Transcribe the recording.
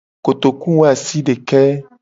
Kotokuwoasideke.